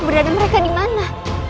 berada mereka di mana